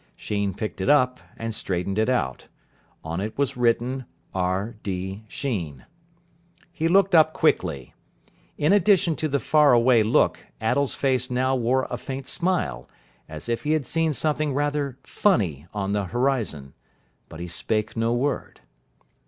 Sheen picked it up and straightened it out. On it was written "R. D. Sheen". He looked up quickly. In addition to the far away look, Attell's face now wore a faint smile, as if he had seen something rather funny on the horizon. But he spake no word.